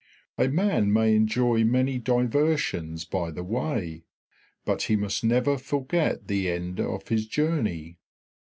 A man may enjoy many diversions by the way, but he must never forget the end of his journey.